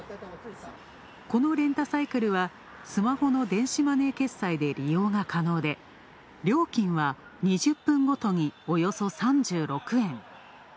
このレンタサイクルはスマホの電子マネー決済で利用が可能で、料金は２０分ごとにおよそ３６円。